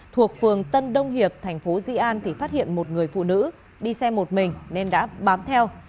thuộc phường tân đông hiệp thành phố di an thì phát hiện một người phụ nữ đi xe một mình nên đã bám theo